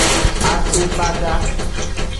Agbebada.